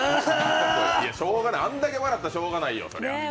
しようがない、あんだけ笑ったらしようがないよ。